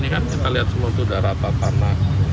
kita lihat semua sudah rata tanah